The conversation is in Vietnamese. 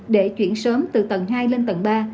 để chuyển sớm từ tầng hai lên tầng ba